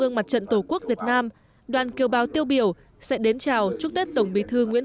mặt trận tổ quốc việt nam đoàn kiều bào tiêu biểu sẽ đến chào chúc tết tổng bí thư nguyễn